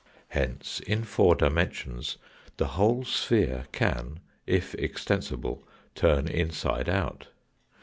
Hence in four dimensions the whole sphere can, if extensible turn inside out.